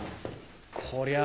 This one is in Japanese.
こりゃあ